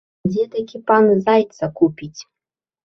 Дзе такі пан зайца купіць?!